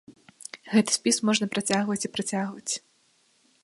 Гэты спіс можна працягваць і працягваць.